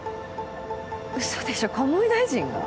うそでしょ鴨井大臣が？